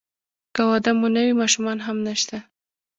که واده مو نه وي ماشومان هم نشته.